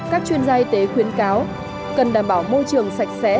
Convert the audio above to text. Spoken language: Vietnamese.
các chuyên gia y tế khuyến cáo cần đảm bảo môi trường sạch sẽ